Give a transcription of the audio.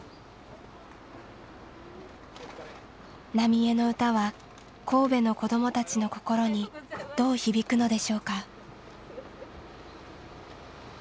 浪江の歌は神戸の子どもたちの心にどう響くのでしょうか。